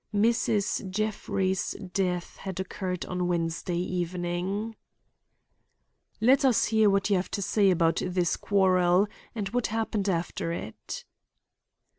Mrs. Jeffrey's death had occurred on Wednesday evening. "Let us hear what you have to say about this quarrel and what happened after it."